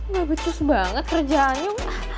gak becus banget kerjaannya